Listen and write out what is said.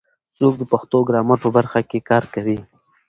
څوک د پښتو ګرامر په برخه کې کار کوي؟